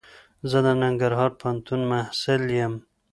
زه دننګرهار پوهنتون محصل یم.